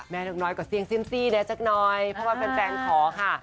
แม่น้องน้อยก็เสียงซิมซี่เนี่ยแจ๊กน้อยเพราะว่าแฟนขอค่ะ